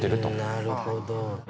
なるほど。